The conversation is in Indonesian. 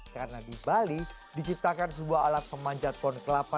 karena di bali diciptakan sebuah alat pemanjat pohon kelapa